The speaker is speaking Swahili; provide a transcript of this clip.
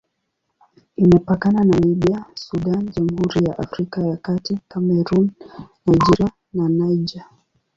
Imepakana na Libya, Sudan, Jamhuri ya Afrika ya Kati, Kamerun, Nigeria na Niger.